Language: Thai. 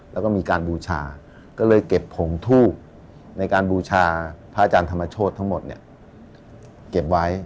แล้วก็มีการบูชาก็เลยเก็บผงทูบในการบูชาพระอาจารย์ธรรมโชธทั้งหมดเนี่ยเก็บไว้